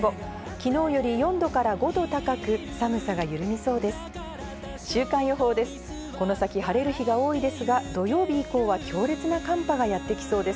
昨日より４度から５度高く寒さが緩みそうです。